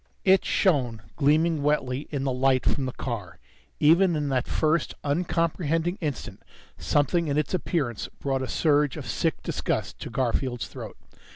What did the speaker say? It shone, gleaming wetly, in the light from the car. Even in that first uncomprehending instant, something in its appearance brought a surge of sick disgust to Garfield's throat.